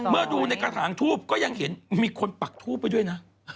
เมื่อดูในกระถางทูบก็ยังเห็นมีคนปักทูบไปด้วยนะ